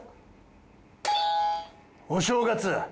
お正月。